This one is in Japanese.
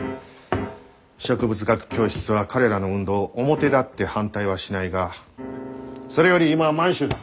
植物学教室は彼らの運動を表立って反対はしないがそれより今は満州だ。